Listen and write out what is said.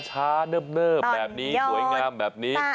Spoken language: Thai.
เนิบแบบนี้สวยงามแบบนี้